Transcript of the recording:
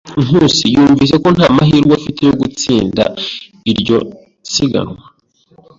Nkusi yumvise ko nta mahirwe afite yo gutsinda iryo siganwa.